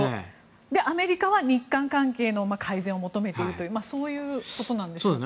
で、アメリカは日韓関係の改善を求めているというそういうことなんでしょうかね。